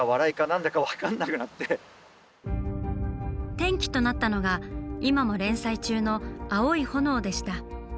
転機となったのが今も連載中の「アオイホノオ」でした。